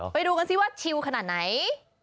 ไปดูกันสิว่าชิลขนาดไหน